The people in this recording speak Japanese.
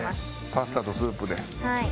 パスタとスープで。